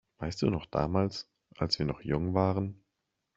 Weißt du noch damals, als wir noch jung waren?